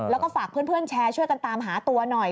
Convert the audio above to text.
แล้วก็ฝากเพื่อนแชร์ช่วยกันตามหาตัวหน่อย